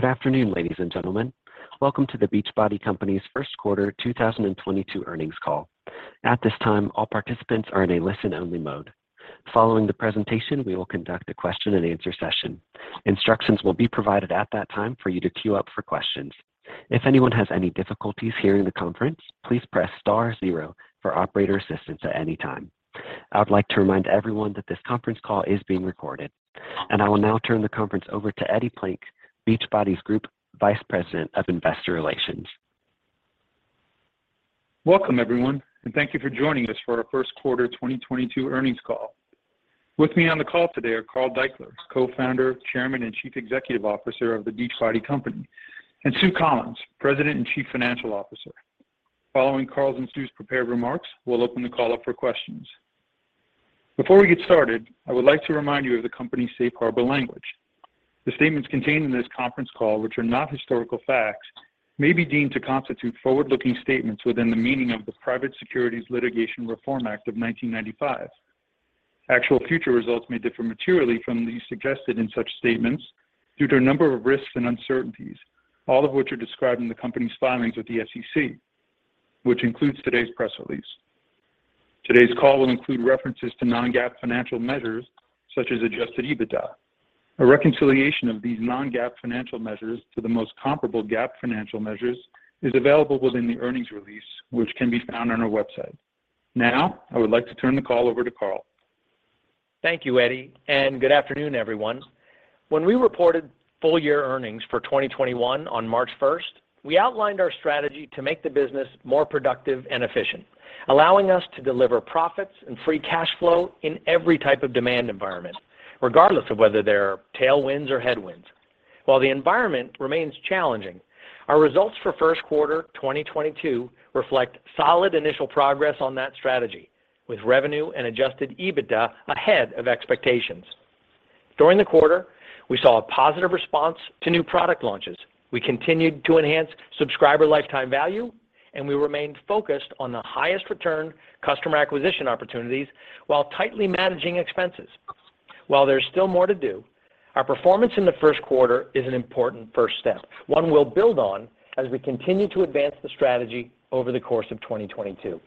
Good afternoon, ladies and gentlemen. Welcome to The Beachbody Company's First Quarter 2022 Earnings Call. At this time, all participants are in a listen-only mode. Following the presentation, we will conduct a question-and-answer session. Instructions will be provided at that time for you to queue up for questions. If anyone has any difficulties hearing the conference, please press star zero for operator assistance at any time. I would like to remind everyone that this conference call is being recorded. I will now turn the conference over to Eddie Plank, Beachbody's Group Vice President of Investor Relations. Welcome, everyone, and thank you for joining us for our first quarter 2022 earnings call. With me on the call today are Carl Daikeler, Co-Founder, Chairman, and Chief Executive Officer of The Beachbody Company, and Sue Collyns, President and Chief Financial Officer. Following Carl's and Sue's prepared remarks, we'll open the call up for questions. Before we get started, I would like to remind you of the company's safe harbor language. The statements contained in this conference call which are not historical facts may be deemed to constitute forward-looking statements within the meaning of the Private Securities Litigation Reform Act of 1995. Actual future results may differ materially from those suggested in such statements due to a number of risks and uncertainties, all of which are described in the company's filings with the SEC, which includes today's press release. Today's call will include references to non-GAAP financial measures, such as adjusted EBITDA. A reconciliation of these non-GAAP financial measures to the most comparable GAAP financial measures is available within the earnings release, which can be found on our website. Now, I would like to turn the call over to Carl. Thank you, Eddie, and good afternoon, everyone. When we reported full year earnings for 2021 on March 1st, we outlined our strategy to make the business more productive and efficient, allowing us to deliver profits and free cash flow in every type of demand environment, regardless of whether they are tailwinds or headwinds. While the environment remains challenging, our results for first quarter 2022 reflect solid initial progress on that strategy, with revenue and adjusted EBITDA ahead of expectations. During the quarter, we saw a positive response to new product launches, we continued to enhance subscriber lifetime value, and we remained focused on the highest return customer acquisition opportunities while tightly managing expenses. While there's still more to do, our performance in the first quarter is an important first step, one we'll build on as we continue to advance the strategy over the course of 2022.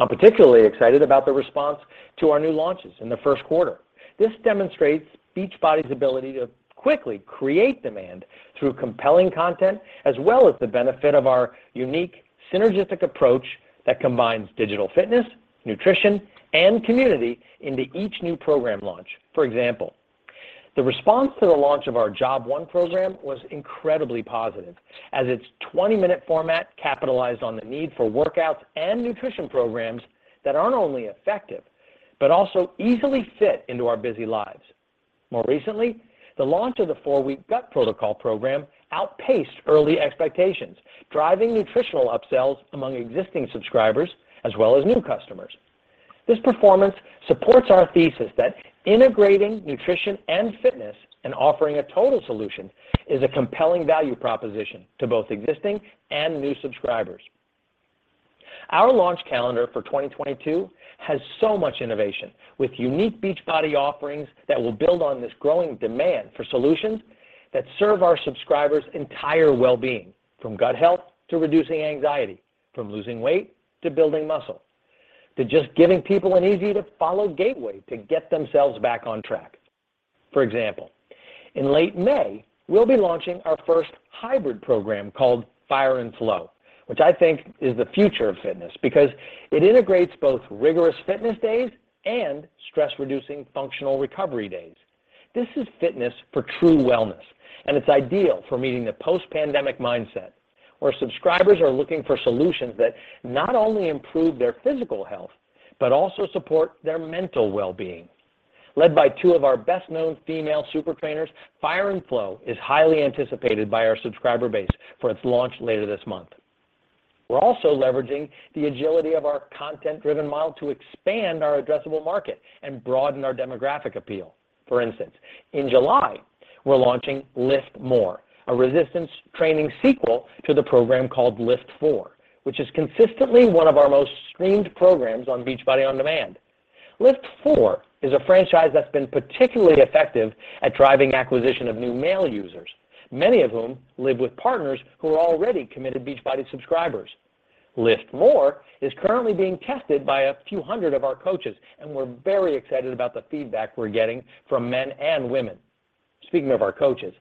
I'm particularly excited about the response to our new launches in the first quarter. This demonstrates Beachbody's ability to quickly create demand through compelling content, as well as the benefit of our unique synergistic approach that combines digital fitness, nutrition, and community into each new program launch. For example, the response to the launch of our Job 1 program was incredibly positive, as its 20-minute format capitalized on the need for workouts and nutrition programs that aren't only effective, but also easily fit into our busy lives. More recently, the launch of the 4-Week Gut Protocol program outpaced early expectations, driving nutritional upsells among existing subscribers as well as new customers. This performance supports our thesis that integrating nutrition and fitness and offering a total solution is a compelling value proposition to both existing and new subscribers. Our launch calendar for 2022 has so much innovation, with unique Beachbody offerings that will build on this growing demand for solutions that serve our subscribers' entire well-being, from gut health to reducing anxiety, from losing weight to building muscle, to just giving people an easy-to-follow gateway to get themselves back on track. For example, in late May, we'll be launching our first hybrid program called FIRE AND FLOW, which I think is the future of fitness because it integrates both rigorous fitness days and stress-reducing functional recovery days. This is fitness for true wellness, and it's ideal for meeting the post-pandemic mindset, where subscribers are looking for solutions that not only improve their physical health, but also support their mental well-being. Led by two of our best-known female super trainers, FIRE AND FLOW is highly anticipated by our subscriber base for its launch later this month. We're also leveraging the agility of our content-driven model to expand our addressable market and broaden our demographic appeal. For instance, in July, we're launching LIIFT MORE, a resistance training sequel to the program called LIIFT4, which is consistently one of our most streamed programs on Beachbody On Demand. LIIFT4 is a franchise that's been particularly effective at driving acquisition of new male users, many of whom live with partners who are already committed Beachbody subscribers. LIIFT MORE is currently being tested by a few hundred of our coaches, and we're very excited about the feedback we're getting from men and women. Speaking of our coaches,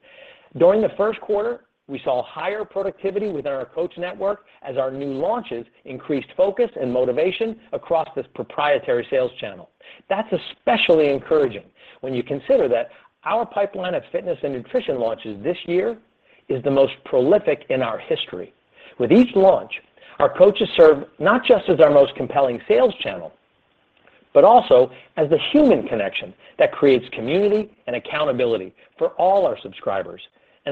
during the first quarter, we saw higher productivity within our coach network as our new launches increased focus and motivation across this proprietary sales channel. That's especially encouraging when you consider that our pipeline of fitness and nutrition launches this year is the most prolific in our history. With each launch, our coaches serve not just as our most compelling sales channel, but also as the human connection that creates community and accountability for all our subscribers.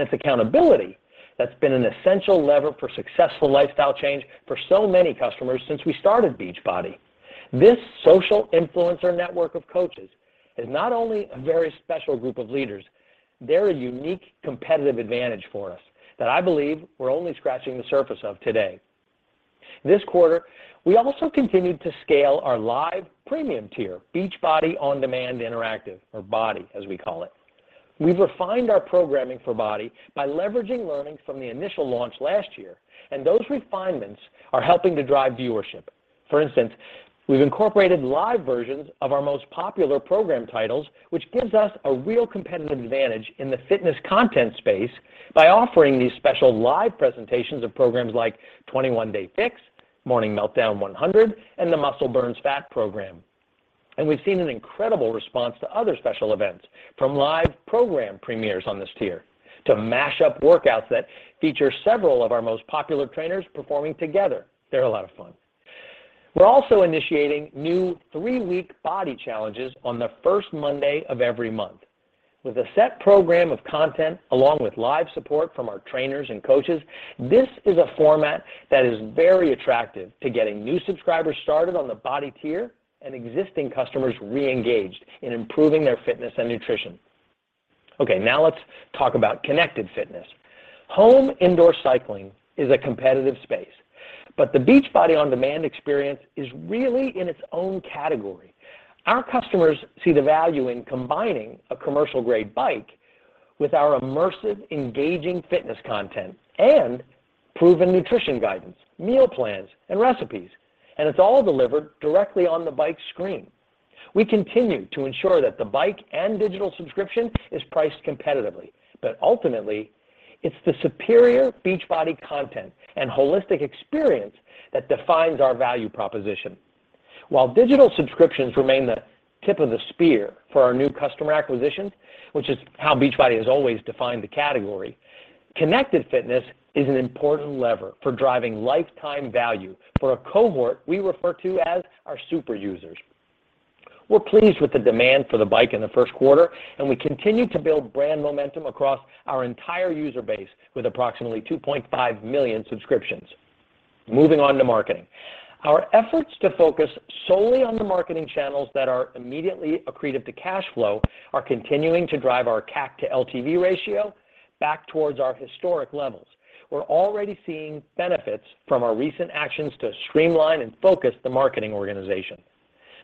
It's accountability that's been an essential lever for successful lifestyle change for so many customers since we started Beachbody. This social influencer network of coaches is not only a very special group of leaders, they're a unique competitive advantage for us that I believe we're only scratching the surface of today. This quarter we also continued to scale our live premium tier, Beachbody On Demand Interactive or BODi as we call it. We've refined our programming for BODi by leveraging learning from the initial launch last year, and those refinements are helping to drive viewership. For instance, we've incorporated live versions of our most popular program titles which gives us a real competitive advantage in the fitness content space by offering these special live presentations of programs like 21 Day Fix, Morning Meltdown 100, and the Muscle Burns Fat program. We've seen an incredible response to other special events from live program premieres on this tier to mashup workouts that feature several of our most popular trainers performing together. They're a lot of fun. We're also initiating new 3-week BODi challenges on the first Monday of every month. With a set program of content along with live support from our trainers and coaches, this is a format that is very attractive to getting new subscribers started on the BODi tier and existing customers reengaged in improving their fitness and nutrition. Okay, now let's talk about Connected Fitness. Home indoor cycling is a competitive space, but the Beachbody On Demand experience is really in its own category. Our customers see the value in combining a commercial grade bike with our immersive, engaging fitness content and proven nutrition guidance, meal plans, and recipes, and it's all delivered directly on the bike screen. We continue to ensure that the bike and digital subscription is priced competitively, but ultimately it's the superior Beachbody content and holistic experience that defines our value proposition. While digital subscriptions remain the tip of the spear for our new customer acquisition, which is how Beachbody has always defined the category, Connected Fitness is an important lever for driving lifetime value for a cohort we refer to as our super users. We're pleased with the demand for the bike in the first quarter, and we continue to build brand momentum across our entire user base with approximately 2.5 million subscriptions. Moving on to marketing. Our efforts to focus solely on the marketing channels that are immediately accretive to cash flow are continuing to drive our CAC to LTV ratio back towards our historic levels. We're already seeing benefits from our recent actions to streamline and focus the marketing organization.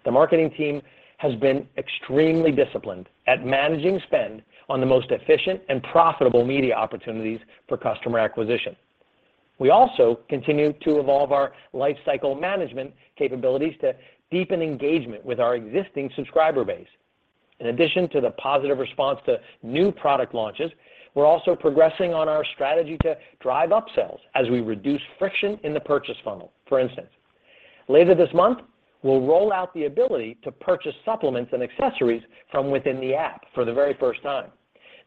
The marketing team has been extremely disciplined at managing spend on the most efficient and profitable media opportunities for customer acquisition. We also continue to evolve our life cycle management capabilities to deepen engagement with our existing subscriber base. In addition to the positive response to new product launches, we're also progressing on our strategy to drive upsells as we reduce friction in the purchase funnel. For instance, later this month, we'll roll out the ability to purchase supplements and accessories from within the app for the very first time.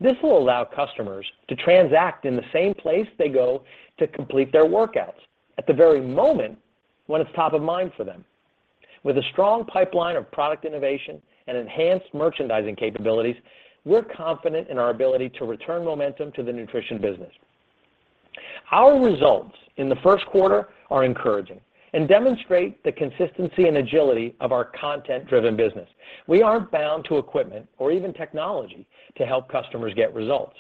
This will allow customers to transact in the same place they go to complete their workouts at the very moment when it's top of mind for them. With a strong pipeline of product innovation and enhanced merchandising capabilities, we're confident in our ability to return momentum to the nutrition business. Our results in the first quarter are encouraging and demonstrate the consistency and agility of our content-driven business. We aren't bound to equipment or even technology to help customers get results.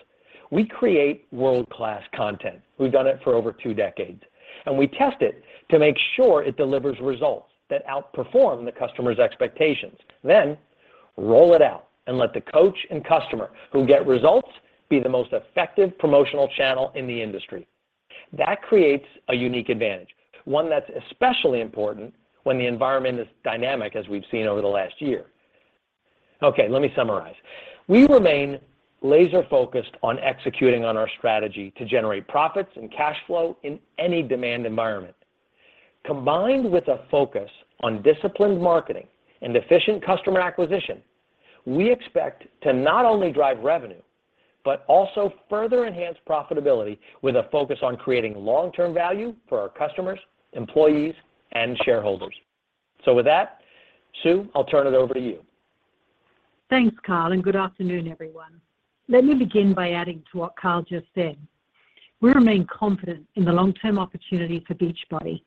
We create world-class content. We've done it for over two decades, and we test it to make sure it delivers results that outperform the customer's expectations, then roll it out and let the coach and customer who get results be the most effective promotional channel in the industry. That creates a unique advantage, one that's especially important when the environment is dynamic as we've seen over the last year. Okay, let me summarize. We remain laser-focused on executing on our strategy to generate profits and cash flow in any demand environment. Combined with a focus on disciplined marketing and efficient customer acquisition, we expect to not only drive revenue but also further enhance profitability with a focus on creating long-term value for our customers, employees, and shareholders. With that, Sue, I'll turn it over to you. Thanks, Carl, and good afternoon, everyone. Let me begin by adding to what Carl just said. We remain confident in the long-term opportunity for Beachbody,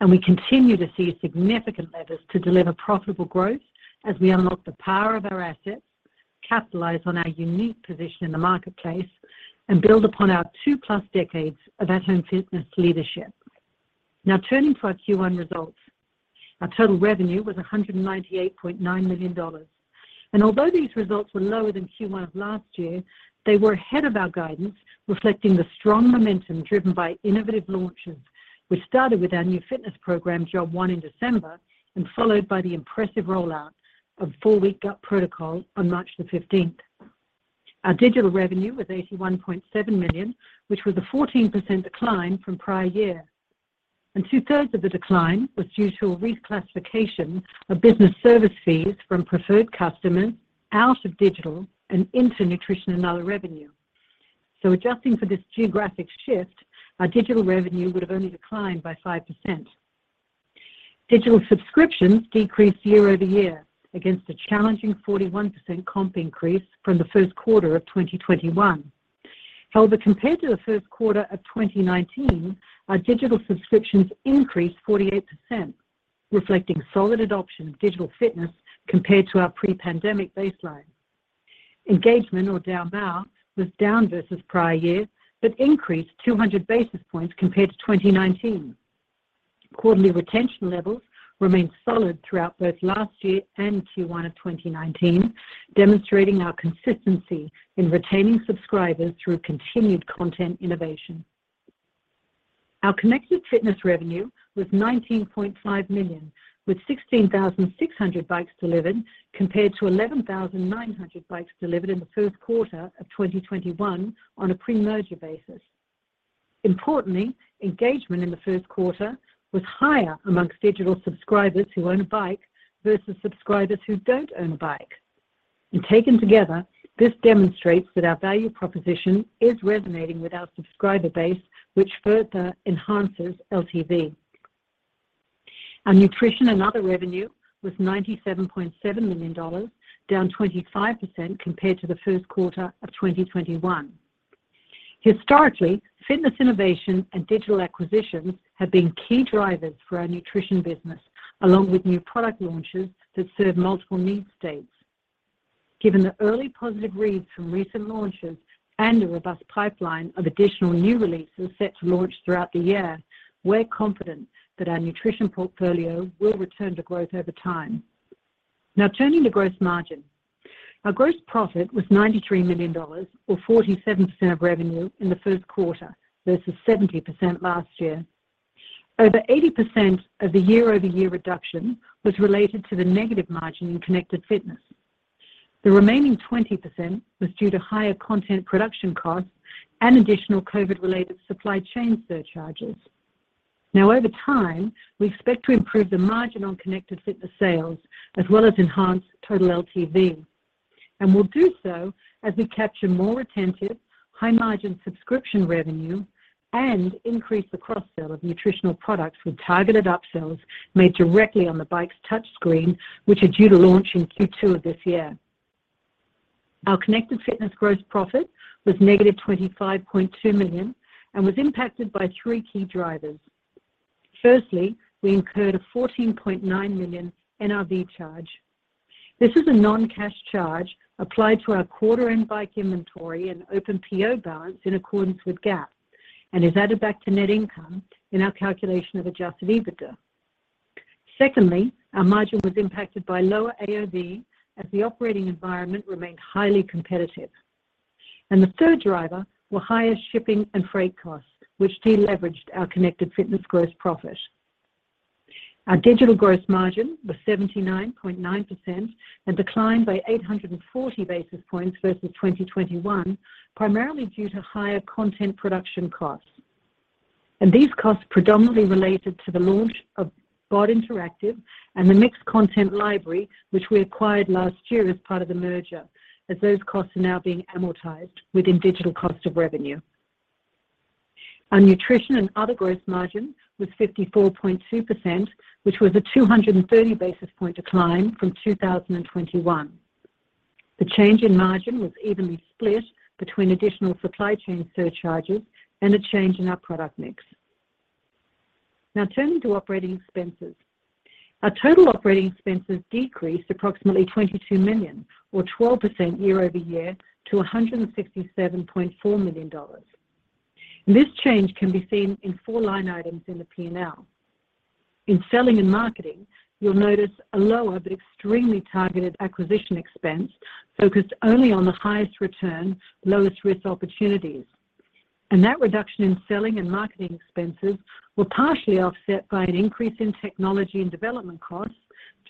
and we continue to see significant levers to deliver profitable growth as we unlock the power of our assets, capitalize on our unique position in the marketplace, and build upon our two-plus decades of at-home fitness leadership. Now turning to our Q1 results. Our total revenue was $198.9 million. Although these results were lower than Q1 of last year, they were ahead of our guidance, reflecting the strong momentum driven by innovative launches, which started with our new fitness program, Job 1, in December, and followed by the impressive rollout of 4 Week Gut Protocol on March 15th. Our digital revenue was $81.7 million, which was a 14% decline from prior year. Two-thirds of the decline was due to a reclassification of business service fees from preferred customers out of digital and into nutrition and other revenue. Adjusting for this categoric shift, our digital revenue would have only declined by 5%. Digital subscriptions decreased year-over-year against a challenging 41% comp increase from the first quarter of 2021. However, compared to the first quarter of 2019, our digital subscriptions increased 48%, reflecting solid adoption of digital fitness compared to our pre-pandemic baseline. Engagement, DAU/MAU was down versus prior year, but increased 200 basis points compared to 2019. Quarterly retention levels remained solid throughout both last year and Q1 of 2019, demonstrating our consistency in retaining subscribers through continued content innovation. Our Connected Fitness revenue was $19.5 million, with 16,600 bikes delivered compared to 11,900 bikes delivered in the first quarter of 2021 on a pre-merger basis. Importantly, engagement in the first quarter was higher among digital subscribers who own a bike versus subscribers who don't own a bike. Taken together, this demonstrates that our value proposition is resonating with our subscriber base, which further enhances LTV. Our nutrition and other revenue was $97.7 million, down 25% compared to the first quarter of 2021. Historically, fitness innovation and digital acquisitions have been key drivers for our nutrition business, along with new product launches that serve multiple need states. Given the early positive reads from recent launches and a robust pipeline of additional new releases set to launch throughout the year, we're confident that our nutrition portfolio will return to growth over time. Now turning to gross margin. Our gross profit was $93 million or 47% of revenue in the first quarter versus 70% last year. Over 80% of the year-over-year reduction was related to the negative margin in Connected Fitness. The remaining 20% was due to higher content production costs and additional COVID-related supply chain surcharges. Now over time, we expect to improve the margin on Connected Fitness sales as well as enhance total LTV. We'll do so as we capture more retentive, high-margin subscription revenue and increase the cross-sell of nutritional products with targeted up-sells made directly on the bike's touch screen, which are due to launch in Q2 of this year. Our Connected Fitness gross profit was negative $25.2 million and was impacted by three key drivers. Firstly, we incurred a $14.9 million NRV charge. This is a non-cash charge applied to our quarter-end bike inventory and open PO balance in accordance with GAAP and is added back to net income in our calculation of adjusted EBITDA. Secondly, our margin was impacted by lower AOV as the operating environment remained highly competitive. The third driver were higher shipping and freight costs, which deleveraged our Connected Fitness gross profit. Our digital gross margin was 79.9% and declined by 840 basis points versus 2021, primarily due to higher content production costs. These costs predominantly related to the launch of BOD Interactive and the MYX content library, which we acquired last year as part of the merger, as those costs are now being amortized within digital cost of revenue. Our nutrition and other gross margin was 54.2%, which was a 230 basis point decline from 2021. The change in margin was evenly split between additional supply chain surcharges and a change in our product mix. Now turning to operating expenses. Our total operating expenses decreased approximately $22 million or 12% year-over-year to $167.4 million. This change can be seen in four line items in the P&L. In selling and marketing, you'll notice a lower but extremely targeted acquisition expense focused only on the highest return, lowest risk opportunities. That reduction in selling and marketing expenses were partially offset by an increase in technology and development costs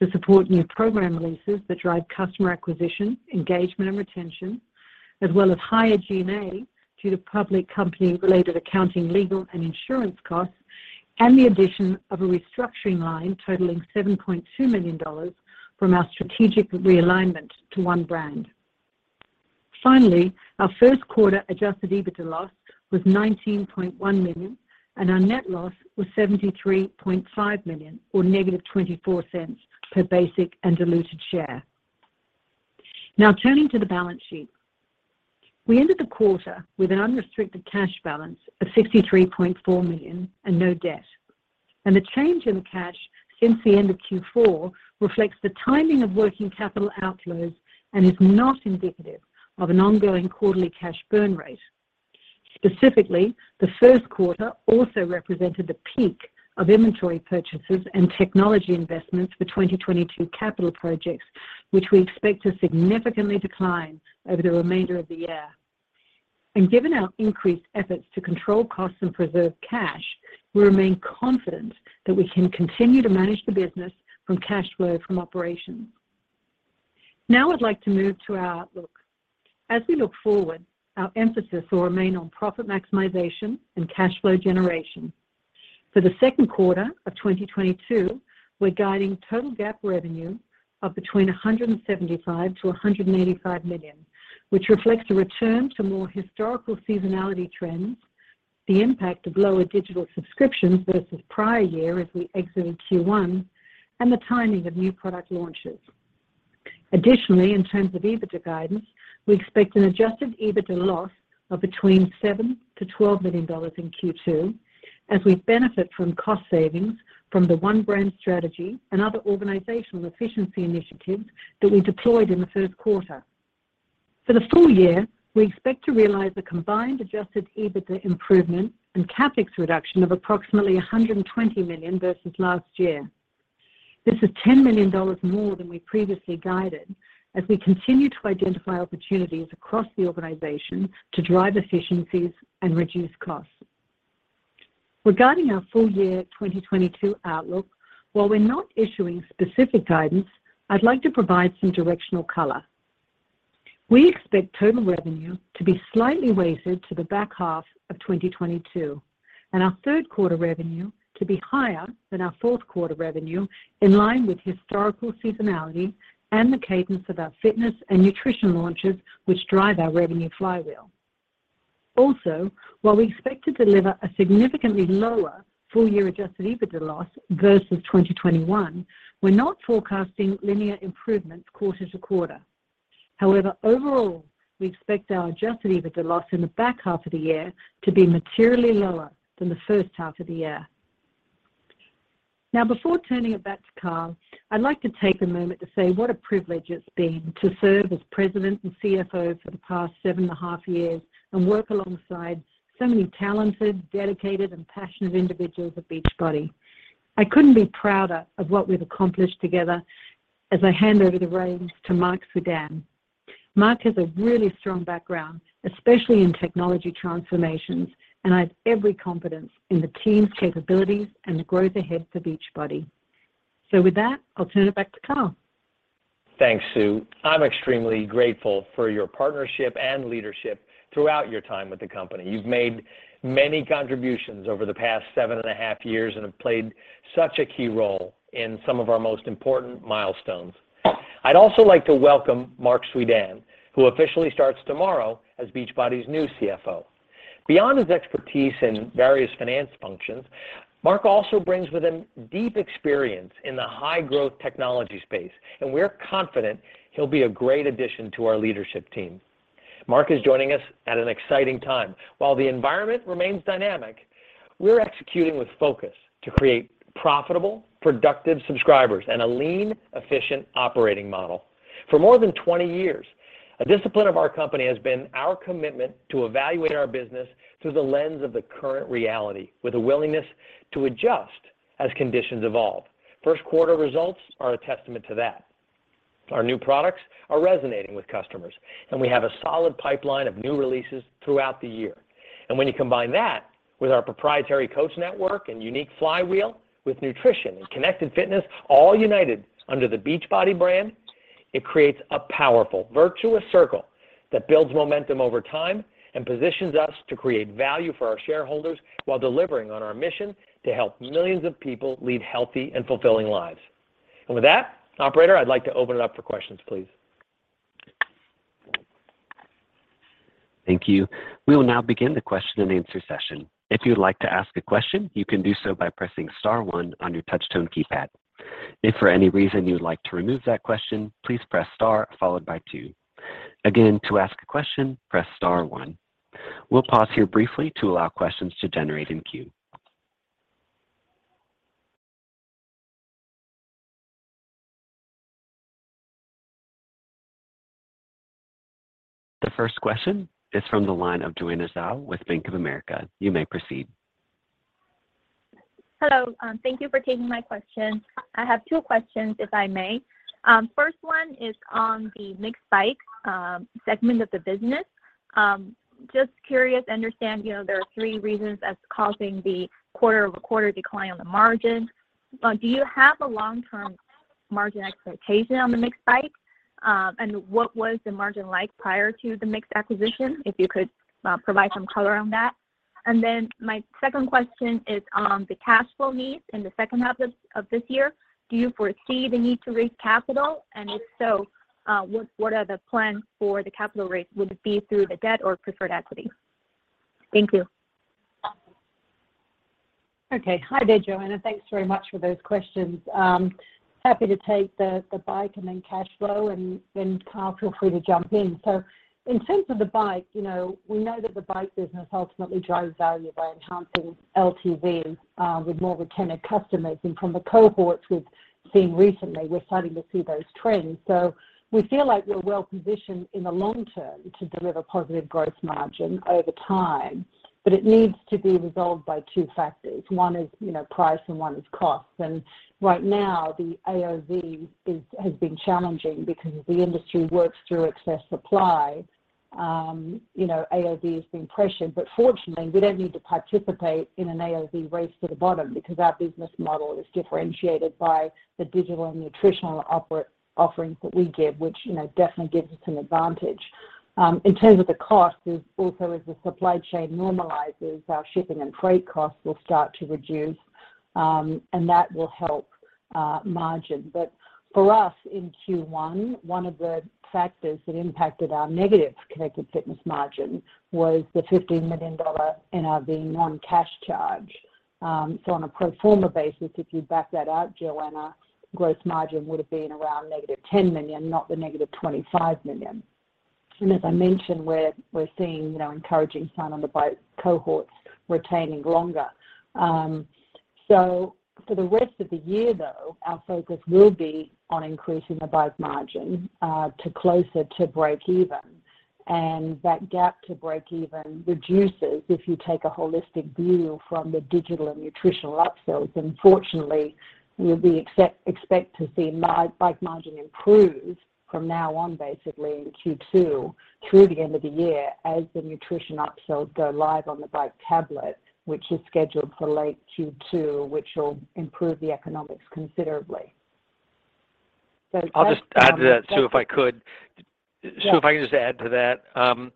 to support new program releases that drive customer acquisition, engagement, and retention, as well as higher G&A due to public company-related accounting, legal, and insurance costs, and the addition of a restructuring line totaling $7.2 million from our strategic realignment to One Brand. Finally, our first quarter adjusted EBITDA loss was $19.1 million and our net loss was $73.5 million or negative $0.24 per basic and diluted share. Now turning to the balance sheet. We ended the quarter with an unrestricted cash balance of $63.4 million and no debt. The change in cash since the end of Q4 reflects the timing of working capital outflows and is not indicative of an ongoing quarterly cash burn rate. Specifically, the first quarter also represented the peak of inventory purchases and technology investments for 2022 capital projects, which we expect to significantly decline over the remainder of the year. Given our increased efforts to control costs and preserve cash, we remain confident that we can continue to manage the business from cash flow from operations. Now I'd like to move to our outlook. As we look forward, our emphasis will remain on profit maximization and cash flow generation. For the second quarter of 2022, we're guiding total GAAP revenue of between $175 million-$185 million, which reflects a return to more historical seasonality trends, the impact of lower digital subscriptions versus prior year as we exited Q1, and the timing of new product launches. Additionally, in terms of EBITDA guidance, we expect an adjusted EBITDA loss of between $7 million-$12 million in Q2 as we benefit from cost savings from the One Brand strategy and other organizational efficiency initiatives that we deployed in the first quarter. For the full year, we expect to realize a combined adjusted EBITDA improvement and CapEx reduction of approximately $120 million versus last year. This is $10 million more than we previously guided as we continue to identify opportunities across the organization to drive efficiencies and reduce costs. Regarding our full year 2022 outlook, while we're not issuing specific guidance, I'd like to provide some directional color. We expect total revenue to be slightly weighted to the back half of 2022, and our third quarter revenue to be higher than our fourth quarter revenue, in line with historical seasonality and the cadence of our fitness and nutrition launches, which drive our revenue flywheel. Also, while we expect to deliver a significantly lower full-year adjusted EBITDA loss versus 2021, we're not forecasting linear improvements quarter to quarter. However, overall, we expect our adjusted EBITDA loss in the back half of the year to be materially lower than the first half of the year. Now, before turning it back to Carl, I'd like to take a moment to say what a privilege it's been to serve as President and CFO for the past seven and a half years and work alongside so many talented, dedicated, and passionate individuals at Beachbody. I couldn't be prouder of what we've accomplished together as I hand over the reins to Marc Suidan. Marc Suidan has a really strong background, especially in technology transformations, and I have every confidence in the team's capabilities and the growth ahead for Beachbody. With that, I'll turn it back to Carl. Thanks, Sue. I'm extremely grateful for your partnership and leadership throughout your time with the company. You've made many contributions over the past seven and a half years and have played such a key role in some of our most important milestones. I'd also like to welcome Marc Suidan, who officially starts tomorrow as Beachbody's new CFO. Beyond his expertise in various finance functions, Marc also brings with him deep experience in the high-growth technology space, and we're confident he'll be a great addition to our leadership team. Marc is joining us at an exciting time. While the environment remains dynamic, we're executing with focus to create profitable, productive subscribers and a lean, efficient operating model. For more than 20 years, a discipline of our company has been our commitment to evaluate our business through the lens of the current reality with a willingness to adjust as conditions evolve. First quarter results are a testament to that. Our new products are resonating with customers, and we have a solid pipeline of new releases throughout the year. When you combine that with our proprietary coach network and unique flywheel with nutrition and Connected Fitness, all united under the Beachbody brand, it creates a powerful virtuous circle that builds momentum over time and positions us to create value for our shareholders while delivering on our mission to help millions of people lead healthy and fulfilling lives. With that, operator, I'd like to open it up for questions, please. Thank you. We will now begin the question and answer session. If you'd like to ask a question, you can do so by pressing star one on your touch tone keypad. If for any reason you'd like to remove that question, please press star followed by two. Again, to ask a question, press star one. We'll pause here briefly to allow questions to generate in queue. The first question is from the line of Joanna Zhao with Bank of America. You may proceed. Hello. Thank you for taking my question. I have two questions, if I may. First one is on the MYX bike segment of the business. Just curious, understand, you know, there are three reasons causing the quarter-over-quarter decline on the margin. Do you have a long-term margin expectation on the MYX bike? And what was the margin like prior to the MYX acquisition? If you could provide some color on that. My second question is on the cash flow needs in the second half of this year. Do you foresee the need to raise capital? And if so, what are the plans for the capital raise? Would it be through the debt or preferred equity? Thank you. Okay. Hi there, Joanna. Thanks very much for those questions. Happy to take the bike and then cash flow, and then Carl, feel free to jump in. In terms of the bike, you know, we know that the bike business ultimately drives value by enhancing LTV with more retained customers. From the cohorts we've seen recently, we're starting to see those trends. We feel like we're well positioned in the long term to deliver positive growth margin over time. It needs to be resolved by two factors. One is, you know, price, and one is cost. Right now the AOV has been challenging because as the industry works through excess supply, you know, AOV is being pressured. Fortunately, we don't need to participate in an AOV race to the bottom because our business model is differentiated by the digital and nutritional offerings that we give, which, you know, definitely gives us an advantage. In terms of the costs, as the supply chain normalizes, our shipping and freight costs will start to reduce, and that will help margin. For us in Q1, one of the factors that impacted our negative Connected Fitness margin was the $15 million NRV non-cash charge. So on a pro forma basis, if you back that out, Joanna, gross margin would have been around -$10 million, not the -$25 million. As I mentioned, we're seeing, you know, encouraging sign on the bike cohorts retaining longer. For the rest of the year though, our focus will be on increasing the bike margin to closer to breakeven. That gap to breakeven reduces if you take a holistic view from the digital and nutritional upsells. Fortunately, we'll be expect to see bike margin improve from now on, basically in Q2 through the end of the year as the nutrition upsells go live on the bike tablet, which is scheduled for late Q2, which will improve the economics considerably. Just- I'll just add to that, Sue, if I could. Yes. Sue, if I could just add to that.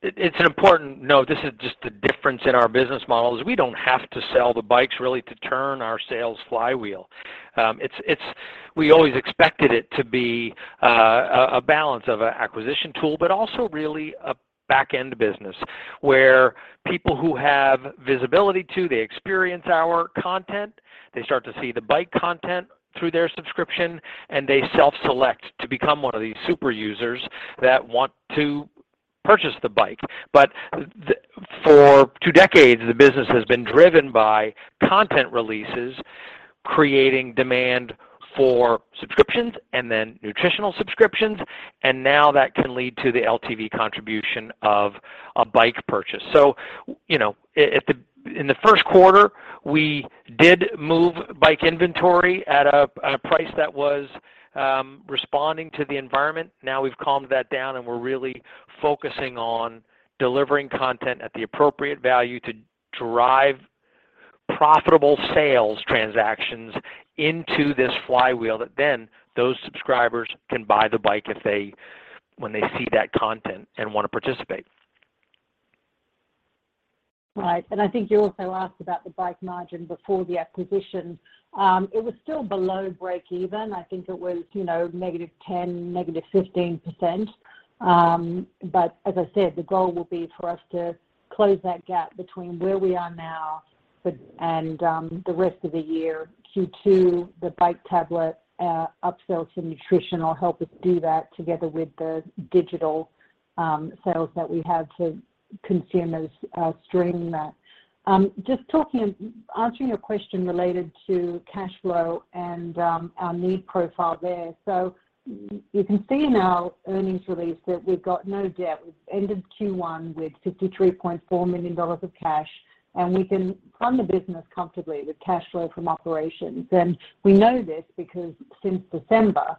It's an important note. This is just the difference in our business models. We don't have to sell the bikes really to turn our sales flywheel. It's We always expected it to be a balance of an acquisition tool, but also really a back-end business where people who have visibility to, they experience our content, they start to see the bike content through their subscription, and they self-select to become one of these super users that want to purchase the bike. For two decades, the business has been driven by content releases, creating demand for subscriptions and then nutritional subscriptions, and now that can lead to the LTV contribution of a bike purchase. You know, in the first quarter, we did move bike inventory at a price that was responding to the environment. Now we've calmed that down, and we're really focusing on delivering content at the appropriate value to drive profitable sales transactions into this flywheel that then those subscribers can buy the bike when they see that content and wanna participate. Right. I think you also asked about the bike margin before the acquisition. It was still below breakeven. I think it was, you know, negative 10, negative 15%. As I said, the goal will be for us to close that gap between where we are now with the rest of the year. Q2, the bike tablet, upsells and nutritional help us do that together with the digital sales that we have to consumers, streaming that. Just talking and answering your question related to cash flow and our debt profile there. You can see in our earnings release that we've got no debt. We've ended Q1 with $53.4 million of cash, and we can run the business comfortably with cash flow from operations. We know this because since December,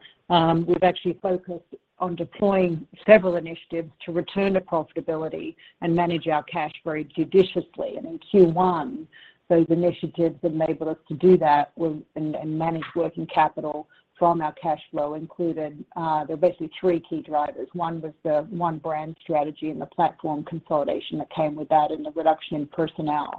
we've actually focused on deploying several initiatives to return to profitability and manage our cash very judiciously. In Q1, those initiatives enable us to do that and manage working capital from our cash flow, including there are basically three key drivers. One was the One Brand strategy and the platform consolidation that came with that and the reduction in personnel,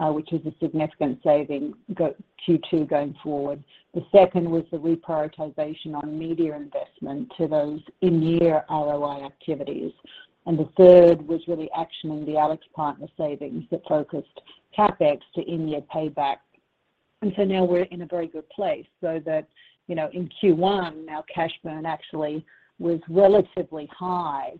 which is a significant savings going into Q2 going forward. The second was the reprioritization on media investment to those in-year ROI activities. The third was really actioning the CapEx partner savings that focused CapEx to in-year payback. Now we're in a very good place so that, you know, in Q1, now cash burn actually was relatively high,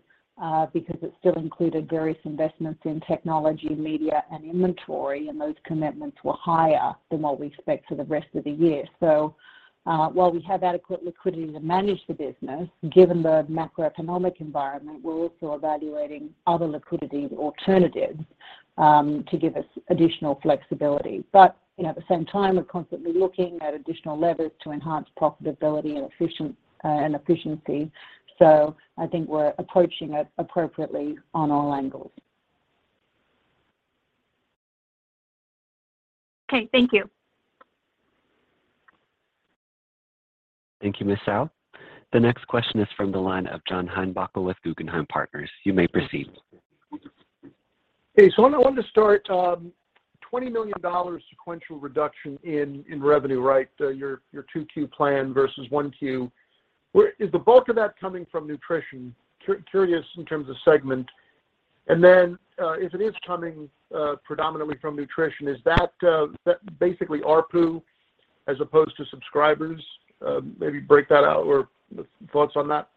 because it still included various investments in technology, media, and inventory, and those commitments were higher than what we expect for the rest of the year. While we have adequate liquidity to manage the business, given the macroeconomic environment, we're also evaluating other liquidity alternatives, to give us additional flexibility. You know, at the same time, we're constantly looking at additional levers to enhance profitability and efficiency. I think we're approaching it appropriately on all angles. Okay. Thank you. Thank you, Ms. Zhao. The next question is from the line of John Heinbockel with Guggenheim Partners. You may proceed. Okay. I wanted to start, $20 million sequential reduction in revenue, right? Your 2Q plan versus 1Q. Where is the bulk of that coming from nutrition? Curious in terms of segment. If it is coming predominantly from nutrition, is that basically ARPU as opposed to subscribers? Maybe break that out or thoughts on that.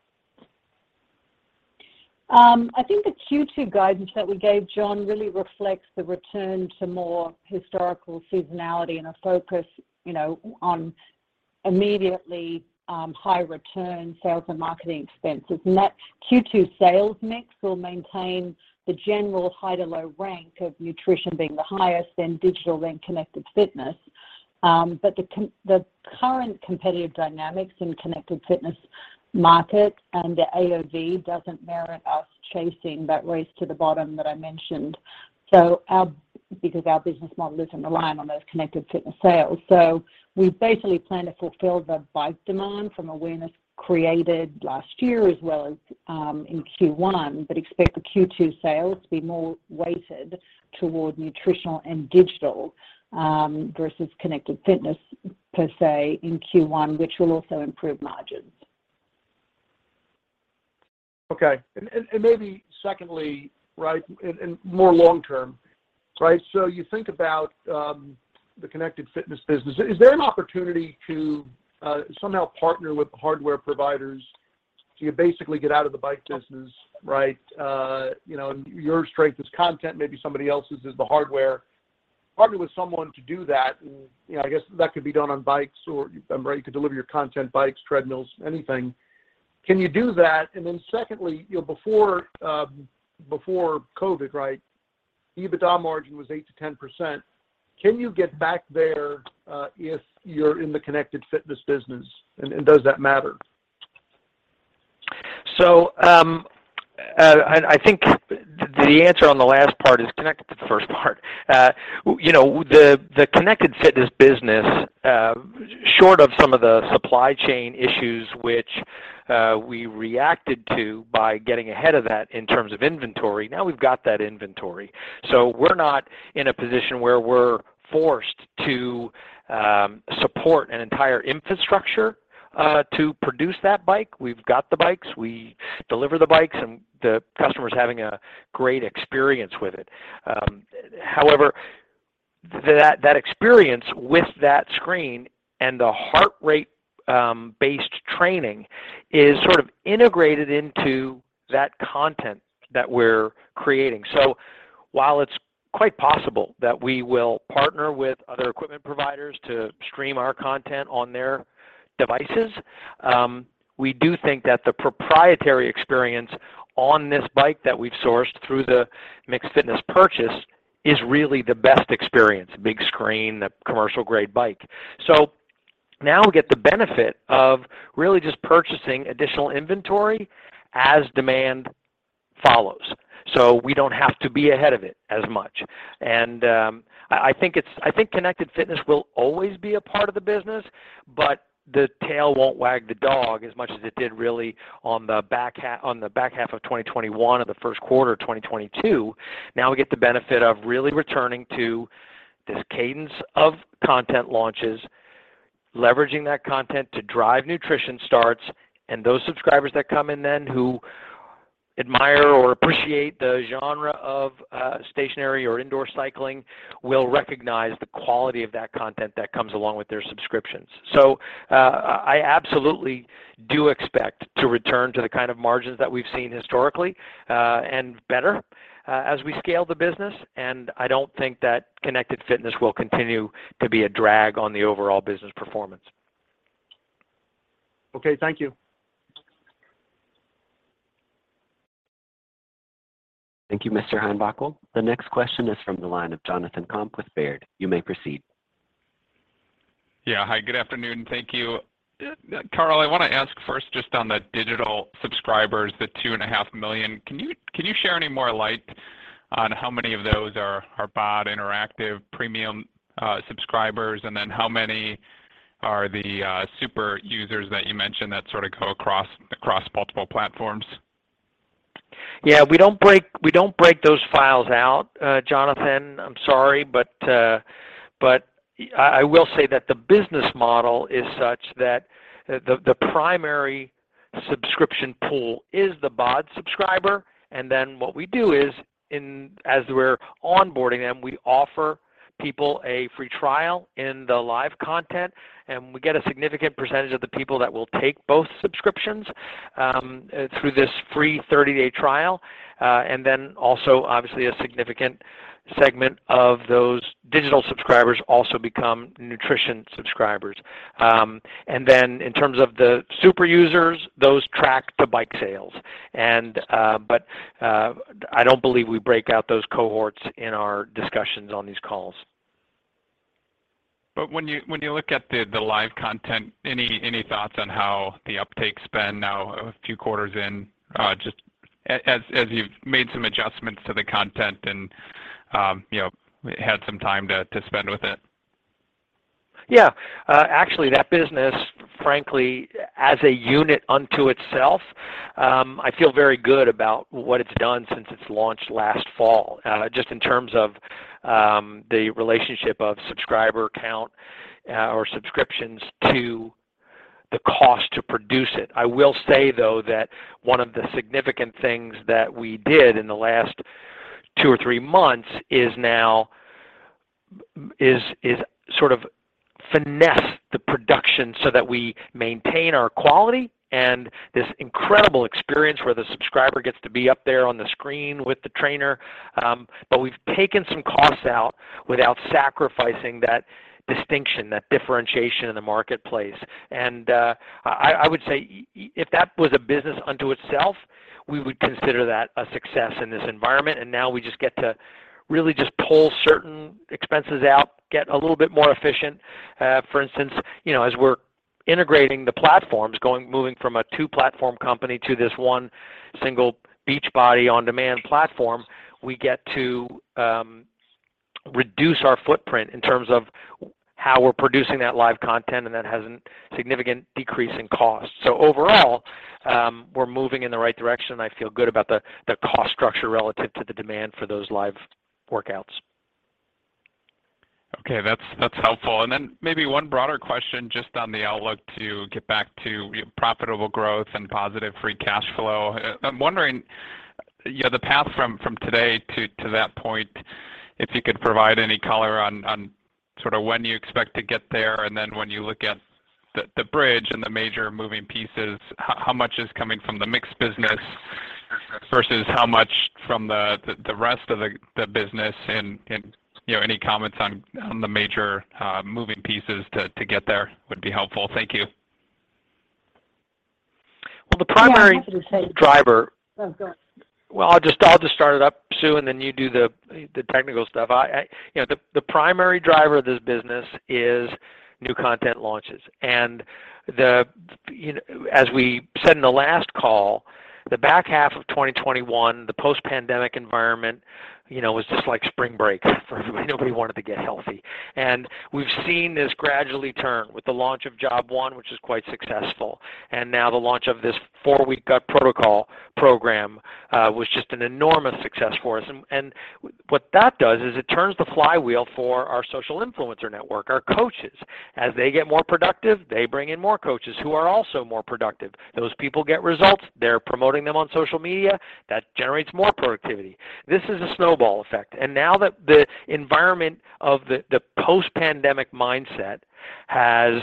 I think the Q2 guidance that we gave, John, really reflects the return to more historical seasonality and a focus, you know, on immediately, high return sales and marketing expenses. That Q2 sales mix will maintain the general high to low rank of nutrition being the highest, then digital, then Connected Fitness. But the current competitive dynamics in Connected Fitness market and the AOV doesn't merit us chasing that race to the bottom that I mentioned. Because our business model doesn't rely on those Connected Fitness sales. We basically plan to fulfill the bike demand from awareness created last year as well as in Q1, but expect the Q2 sales to be more weighted toward nutritional and digital versus Connected Fitness per se in Q1, which will also improve margins. Okay. Maybe secondly, right, and more long term, right? You think about the connected fitness business. Is there an opportunity to somehow partner with hardware providers? Do you basically get out of the bike business, right? You know, and your strength is content, maybe somebody else's is the hardware. Partner with someone to do that, and you know, I guess that could be done on bikes or right, you could deliver your content, bikes, treadmills, anything. Can you do that? Then secondly, you know, before COVID, right, EBITDA margin was 8%-10%. Can you get back there if you're in the Connected Fitness business, and does that matter? I think the answer on the last part is connected to the first part. You know, the Connected Fitness business, short of some of the supply chain issues which we reacted to by getting ahead of that in terms of inventory, now we've got that inventory. We're not in a position where we're forced to support an entire infrastructure to produce that bike. We've got the bikes, we deliver the bikes, and the customer's having a great experience with it. However, that experience with that screen and the heart rate-based training is sort of integrated into that content that we're creating. While it's quite possible that we will partner with other equipment providers to stream our content on their devices, we do think that the proprietary experience on this bike that we've sourced through the MYX Fitness purchase is really the best experience, big screen, a commercial-grade bike. Now we get the benefit of really just purchasing additional inventory as demand follows. We don't have to be ahead of it as much. I think it's—I think Connected Fitness will always be a part of the business, but the tail won't wag the dog as much as it did really on the back half of 2021 or the first quarter of 2022. Now we get the benefit of really returning to this cadence of content launches, leveraging that content to drive nutrition starts, and those subscribers that come in then who admire or appreciate the genre of stationary or indoor cycling will recognize the quality of that content that comes along with their subscriptions. I absolutely do expect to return to the kind of margins that we've seen historically, and better, as we scale the business, and I don't think that Connected Fitness will continue to be a drag on the overall business performance. Okay. Thank you. Thank you, Mr. Heinbockel. The next question is from the line of Jonathan Komp with Baird. You may proceed. Hi, good afternoon. Thank you. Carl, I want to ask first just on the digital subscribers, the 2.5 million. Can you shed any more light on how many of those are BOD Interactive premium subscribers? Then how many are the super users that you mentioned that sort of go across multiple platforms? Yeah. We don't break those files out, Jonathan. I'm sorry. I will say that the business model is such that the primary subscription pool is the BOD subscriber, and then what we do is as we're onboarding them, we offer people a free trial in the live content, and we get a significant percentage of the people that will take both subscriptions through this free 30-day trial. Then also, obviously, a significant segment of those digital subscribers also become nutrition subscribers. Then in terms of the super users, those track to bike sales. I don't believe we break out those cohorts in our discussions on these calls. When you look at the live content, any thoughts on how the uptake's been now, a few quarters in, just as you've made some adjustments to the content and, you know, had some time to spend with it? Yeah. Actually, that business, frankly, as a unit unto itself, I feel very good about what it's done since its launch last fall, just in terms of the relationship of subscriber count or subscriptions to the cost to produce it. I will say, though, that one of the significant things that we did in the last two or three months is to sort of finesse the production so that we maintain our quality and this incredible experience where the subscriber gets to be up there on the screen with the trainer. But we've taken some costs out without sacrificing that distinction, that differentiation in the marketplace. I would say if that was a business unto itself, we would consider that a success in this environment. Now we just get to really just pull certain expenses out, get a little bit more efficient. For instance, you know, as we're integrating the platforms, moving from a two-platform company to this one single Beachbody On Demand platform, we get to reduce our footprint in terms of how we're producing that live content, and that has a significant decrease in cost. Overall, we're moving in the right direction. I feel good about the cost structure relative to the demand for those live workouts. Okay. That's helpful. Maybe one broader question just on the outlook to get back to profitable growth and positive free cash flow. I'm wondering. Yeah, the path from today to that point, if you could provide any color on sort of when you expect to get there and then when you look at the bridge and the major moving pieces, how much is coming from the MYX business versus how much from the rest of the business and you know, any comments on the major moving pieces to get there would be helpful. Thank you. Well, the primary driver. Oh, go ahead. Well, I'll just start it up, Sue, and then you do the technical stuff. You know, the primary driver of this business is new content launches. You know, as we said in the last call, the back half of 2021, the post-pandemic environment, you know, was just like spring break for everybody. Nobody wanted to get healthy. We've seen this gradually turn with the launch of Job 1, which is quite successful, and now the launch of this 4 Week Gut Protocol program was just an enormous success for us. What that does is it turns the flywheel for our social influencer network, our coaches. As they get more productive, they bring in more coaches who are also more productive. Those people get results, they're promoting them on social media, that generates more productivity. This is a snowball effect. Now that the environment of the post-pandemic mindset has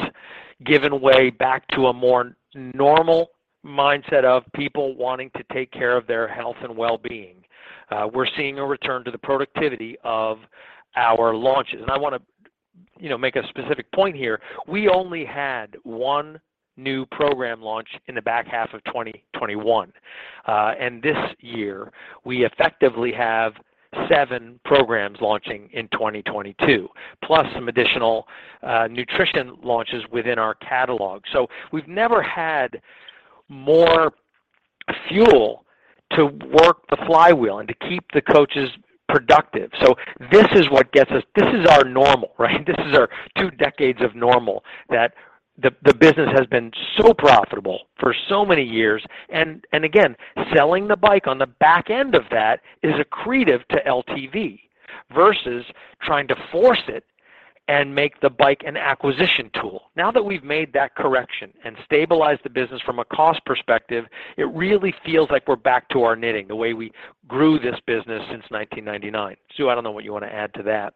given way back to a more normal mindset of people wanting to take care of their health and well-being, we're seeing a return to the productivity of our launches. I wanna, you know, make a specific point here. We only had one new program launch in the back half of 2021. This year we effectively have seven programs launching in 2022, plus some additional nutrition launches within our catalog. We've never had more fuel to work the flywheel and to keep the coaches productive. This is what gets us. This is our normal, right? This is our two decades of normal that the business has been so profitable for so many years. Again, selling the bike on the back end of that is accretive to LTV versus trying to force it and make the bike an acquisition tool. Now that we've made that correction and stabilized the business from a cost perspective, it really feels like we're back to our knitting, the way we grew this business since 1999. Sue, I don't know what you wanna add to that.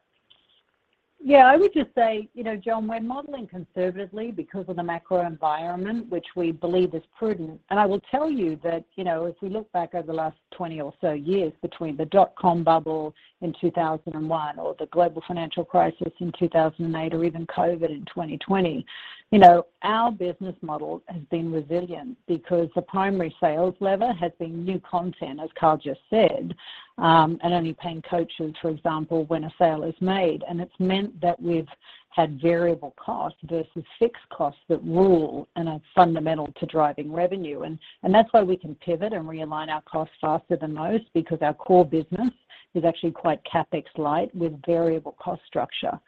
Yeah. I would just say, you know, Jon, we're modeling conservatively because of the macro environment, which we believe is prudent. I will tell you that, you know, if we look back over the last 20 or so years between the dot com bubble in 2001 or the global financial crisis in 2008 or even COVID in 2020, you know, our business model has been resilient because the primary sales lever has been new content, as Carl just said, and only paying coaches, for example, when a sale is made. It's meant that we've had variable costs versus fixed costs that rule and are fundamental to driving revenue, and that's why we can pivot and realign our costs faster than most because our core business is actually quite CapEx light with variable cost structure.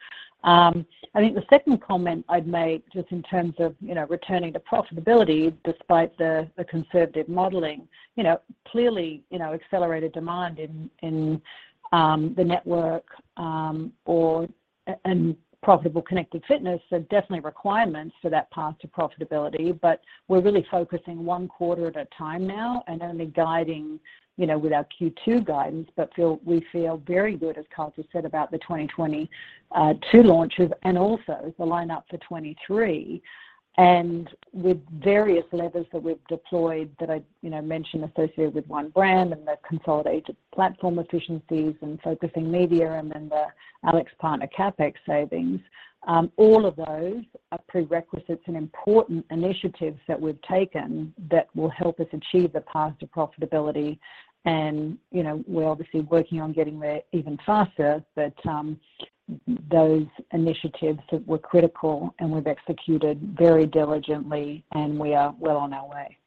I think the second comment I'd make just in terms of, you know, returning to profitability despite the conservative modeling, you know, clearly, you know, accelerated demand in the network, and profitable connected fitness are definitely requirements for that path to profitability. We're really focusing one quarter at a time now and only guiding, you know, with our Q2 guidance. We feel very good, as Carl just said, about the 2022 launches and also the lineup for 2023. With various levers that we've deployed that I, you know, mentioned associated with One Brand and the consolidated platform efficiencies and focusing media and then the CapEx partner CapEx savings, all of those are prerequisites and important initiatives that we've taken that will help us achieve the path to profitability. You know, we're obviously working on getting there even faster, but those initiatives that were critical and we've executed very diligently, and we are well on our way.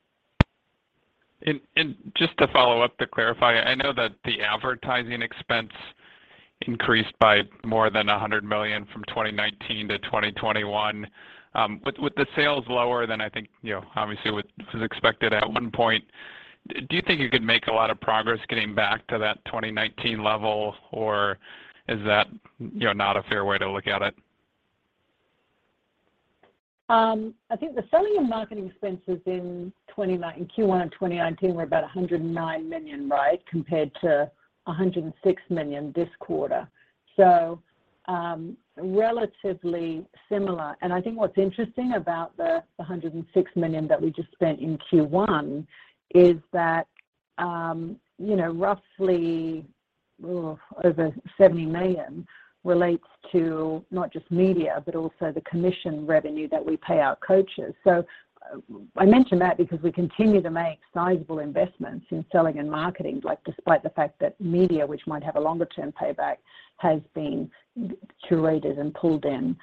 Just to follow up to clarify, I know that the advertising expense increased by more than $100 million from 2019 to 2021. With the sales lower than I think, you know, obviously what was expected at one point, do you think you could make a lot of progress getting back to that 2019 level, or is that, you know, not a fair way to look at it? I think the selling and marketing expenses in Q1 of 2019 were about $109 million, right? Compared to $106 million this quarter, relatively similar. I think what's interesting about the $106 million that we just spent in Q1 is that, you know, roughly over $70 million relates to not just media, but also the commission revenue that we pay our coaches. I mention that because we continue to make sizable investments in selling and marketing, like, despite the fact that media, which might have a longer term payback, has been curated and pulled in.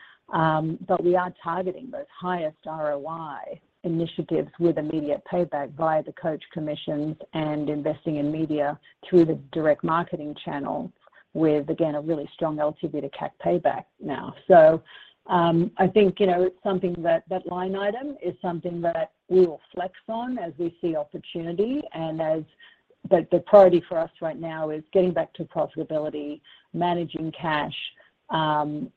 We are targeting those highest ROI initiatives with immediate payback via the coach commissions and investing in media through the direct marketing channel with, again, a really strong LTV to CAC payback now. I think, you know, it's something that line item is something that we will flex on as we see opportunity. The priority for us right now is getting back to profitability, managing cash, and,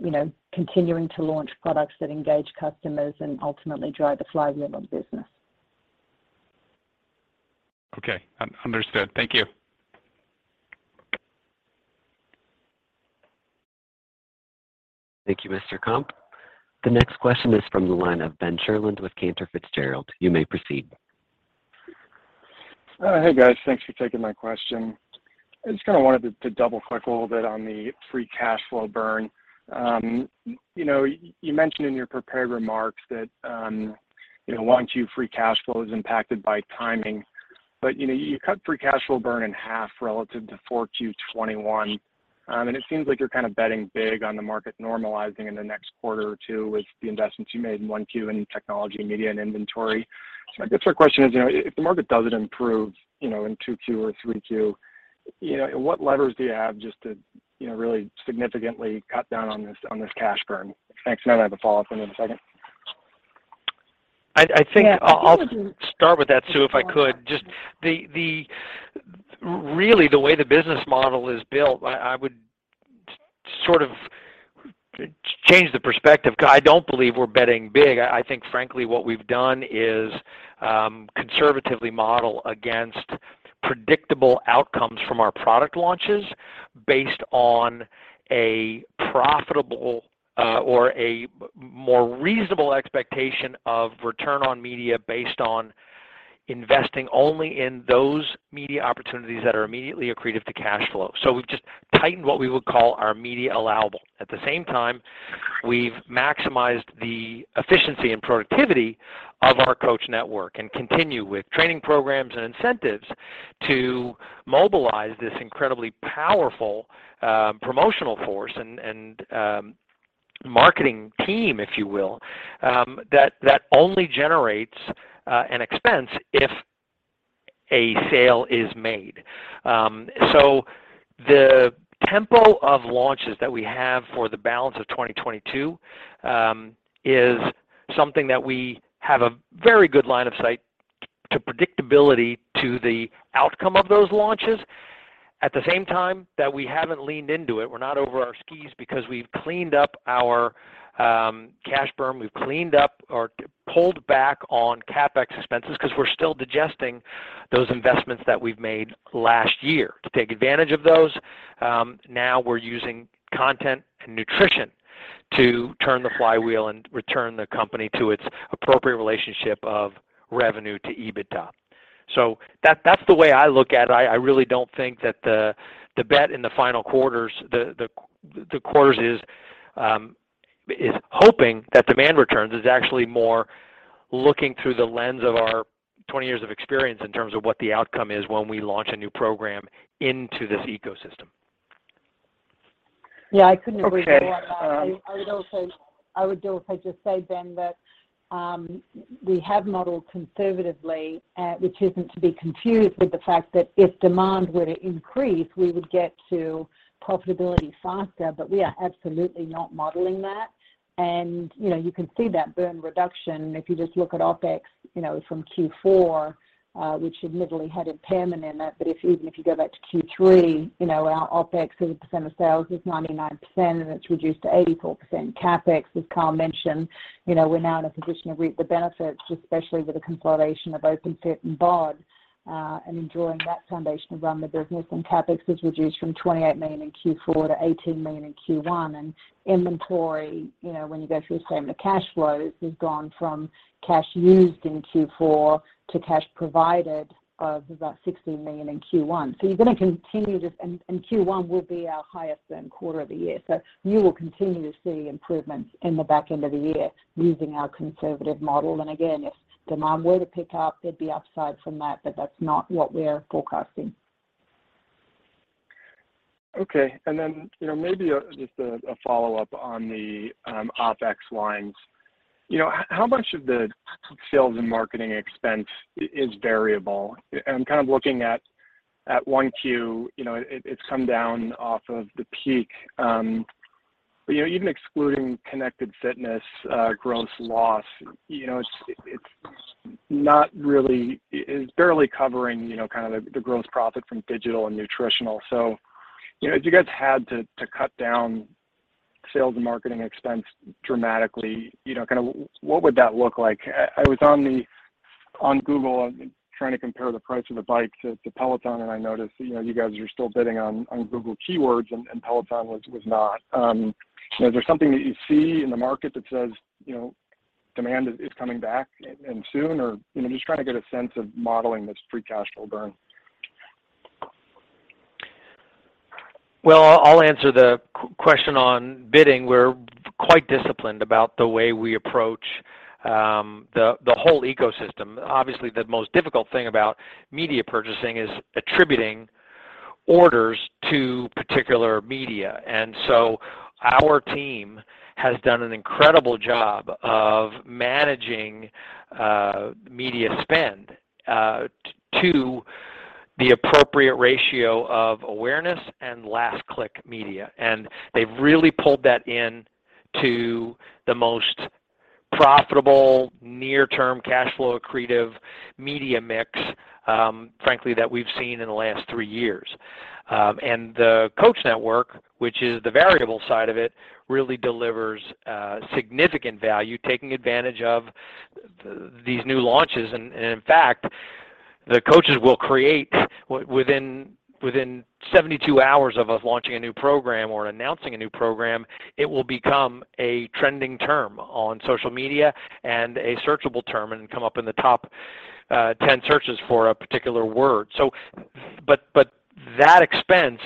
you know, continuing to launch products that engage customers and ultimately drive the flywheel of business. Okay. Understood. Thank you. Thank you, Mr. Komp. The next question is from the line of Ben Sherlund with Cantor Fitzgerald. You may proceed. Hey, guys. Thanks for taking my question. I just kinda wanted to double-click a little bit on the free cash flow burn. You know, you mentioned in your prepared remarks that, you know, 1Q free cash flow is impacted by timing. You know, you cut free cash flow burn in half relative to 4Q 2021. It seems like you're kind of betting big on the market normalizing in the next quarter or two with the investments you made in 1Q in technology, media, and inventory. I guess our question is, you know, if the market doesn't improve, you know, in 2Q or 3Q, you know, what levers do you have just to, you know, really significantly cut down on this cash burn? Thanks. Then I have a follow-up in a second. I think. Yeah. I'll start with that, Sue, if I could. Just the way the business model is built, I would sort of change the perspective. I don't believe we're betting big. I think, frankly, what we've done is conservatively model against predictable outcomes from our product launches based on a profitable or a more reasonable expectation of return on media based on investing only in those media opportunities that are immediately accretive to cash flow. We've just tightened what we would call our media allowable. At the same time, we've maximized the efficiency and productivity of our coach network and continue with training programs and incentives to mobilize this incredibly powerful promotional force and marketing team, if you will, that only generates an expense if a sale is made. The tempo of launches that we have for the balance of 2022 is something that we have a very good line of sight to predictability to the outcome of those launches. At the same time, that we haven't leaned into it. We're not over our skis because we've cleaned up our cash burn. We've cleaned up or pulled back on CapEx expenses 'cause we're still digesting those investments that we've made last year. To take advantage of those, now we're using content and nutrition to turn the flywheel and return the company to its appropriate relationship of revenue to EBITDA. That, that's the way I look at it. I really don't think that the bet in the final quarters is hoping that demand returns is actually more looking through the lens of our 20 years of experience in terms of what the outcome is when we launch a new program into this ecosystem. Yeah. I couldn't agree more. Okay. I would also just say then that we have modeled conservatively, which isn't to be confused with the fact that if demand were to increase, we would get to profitability faster, but we are absolutely not modeling that. You know, you can see that burn reduction if you just look at OpEx, you know, from Q4, which admittedly had impairment in it. Even if you go back to Q3, you know, our OpEx, 30% of sales is 99%, and it's reduced to 84%. CapEx, as Carl mentioned, you know, we're now in a position to reap the benefits, especially with the consolidation of Openfit and BOD, and then drawing that foundation around the business. CapEx was reduced from $28 million in Q4 to $18 million in Q1. Inventory, you know, when you go through the same, the cash flows has gone from cash used in Q4 to cash provided of about $16 million in Q1. Q1 will be our highest burn quarter of the year. You will continue to see improvements in the back end of the year using our conservative model. Again, if demand were to pick up, there'd be upside from that, but that's not what we're forecasting. Okay. You know, maybe just a follow-up on the OpEx lines. You know, how much of the sales and marketing expense is variable? I'm kind of looking at 1Q. You know, it's come down off of the peak. You know, even excluding Connected Fitness, gross loss, you know, it's not really. It is barely covering, you know, kind of the gross profit from digital and nutritional. You know, if you guys had to cut down sales and marketing expense dramatically, you know, kinda what would that look like? I was on Google trying to compare the price of a bike to Peloton, and I noticed, you know, you guys are still bidding on Google keywords and Peloton was not. You know, is there something that you see in the market that says, you know, demand is coming back and soon? Or, you know, I'm just trying to get a sense of modeling this free cash flow burn. Well, I'll answer the question on bidding. We're quite disciplined about the way we approach the whole ecosystem. Obviously, the most difficult thing about media purchasing is attributing orders to particular media. Our team has done an incredible job of managing media spend to the appropriate ratio of awareness and last-click media. They've really pulled that in to the most profitable near-term cash flow accretive media mix, frankly, that we've seen in the last three years. The coach network, which is the variable side of it, really delivers significant value taking advantage of these new launches. In fact, the coaches will create within 72 hours of us launching a new program or announcing a new program, it will become a trending term on social media and a searchable term and come up in the top 10 searches for a particular word. That expense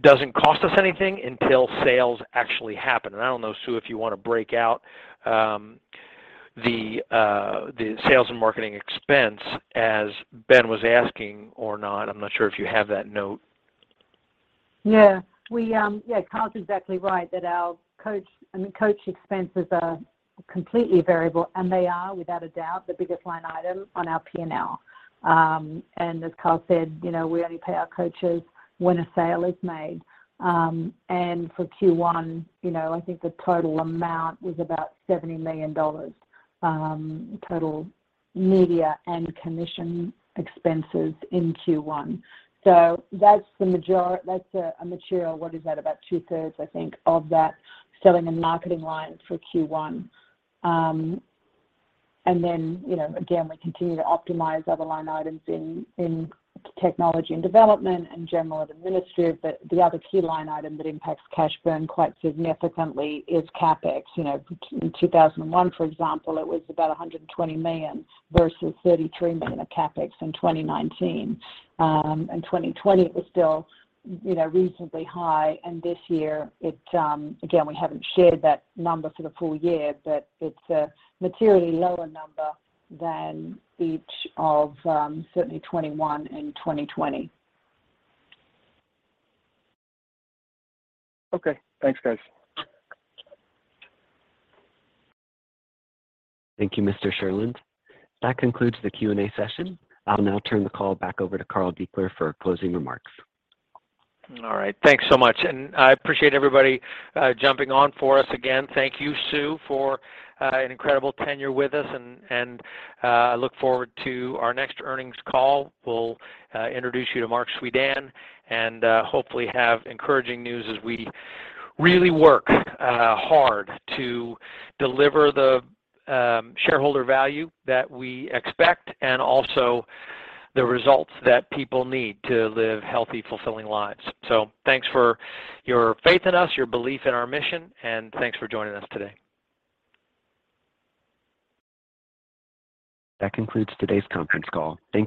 doesn't cost us anything until sales actually happen. I don't know, Sue, if you wanna break out the sales and marketing expense as Ben was asking or not. I'm not sure if you have that note. Carl's exactly right that our coach and the coach expenses are completely variable, and they are without a doubt the biggest line item on our P&L. As Carl said, you know, we only pay our coaches when a sale is made. For Q1, you know, I think the total amount was about $70 million, total media and commission expenses in Q1. So that's a material, what is that? About two-thirds, I think, of that selling and marketing line for Q1. Then, you know, again, we continue to optimize other line items in technology and development and general and administrative. The other key line item that impacts cash burn quite significantly is CapEx. You know, in 2001, for example, it was about $120 million versus $33 million of CapEx in 2019. In 2020, it was still, you know, reasonably high. This year it, again, we haven't shared that number for the full year, but it's a materially lower number than each of, certainly 2021 and 2020. Okay. Thanks, guys. Thank you, Mr. Sherlund. That concludes the Q&A session. I'll now turn the call back over to Carl Daikeler for closing remarks. All right. Thanks so much, and I appreciate everybody jumping on for us again. Thank you Sue, for an incredible tenure with us and I look forward to our next earnings call. We'll introduce you to Marc Suidan and hopefully have encouraging news as we really work hard to deliver the shareholder value that we expect and also the results that people need to live healthy, fulfilling lives. Thanks for your faith in us, your belief in our mission, and thanks for joining us today. That concludes today's conference call. Thank you.